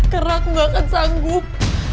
karena aku gak akan sanggup